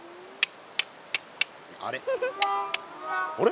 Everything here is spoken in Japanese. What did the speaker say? あれ？